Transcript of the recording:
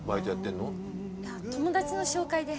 友達の紹介で。